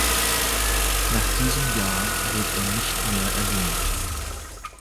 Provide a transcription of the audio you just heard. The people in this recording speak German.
Nach diesem Jahr wird er nicht mehr erwähnt.